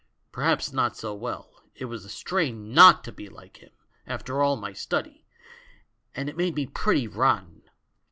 Perhaps not so well; it was a strain not to be like him after all my study, and it made me pretty rotten.